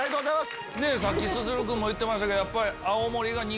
さっきＳＵＳＵＲＵ君も言ってましたけど。